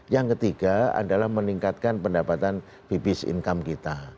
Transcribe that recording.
yang ketiga adalah meningkatkan pendapatan babies income kita